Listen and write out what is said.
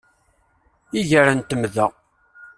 Iger n temda.